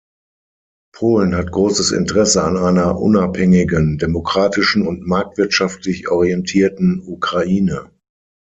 Polen hat großes Interesse an einer unabhängigen, demokratischen und marktwirtschaftlich orientierten Ukraine.